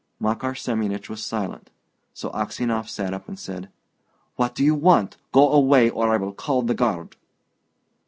Makar Semyonich was silent. So Aksionov sat up and said, "What do you want? Go away, or I will call the guard!"